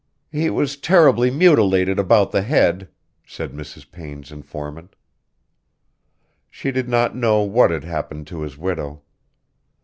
"He was terribly mutilated about the head," said Mrs. Payne's informant. She did not know what had happened to his widow.